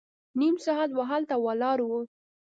نيم ساعت به هلته ولاړ وو.